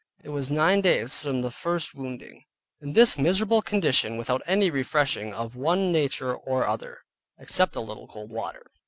It was nine days from the first wounding, in this miserable condition, without any refreshing of one nature or other, except a little cold water.